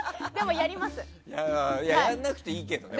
やらなくていいけどね。